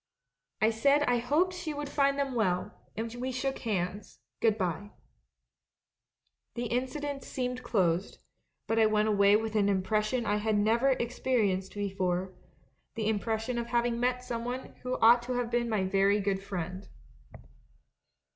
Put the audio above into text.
I said I hoped she would find them well; and we shook hands — 'Good bye.' The incident seemed closed, but I went away with an impression I had never experienced before — the impression of having met someone who ought to have been my very good friend.